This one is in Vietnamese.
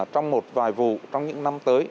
trong một vài vụ trong những năm tới